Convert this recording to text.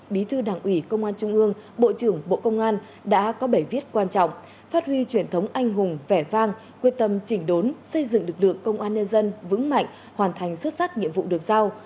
bộ trưởng bộ công an đã có bảy viết quan trọng phát huy truyền thống anh hùng vẻ vang quyết tâm chỉnh đốn xây dựng lực lượng công an nhân dân vững mạnh hoàn thành xuất sắc nhiệm vụ được giao